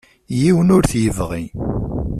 Yiwen ur t-yebɣi.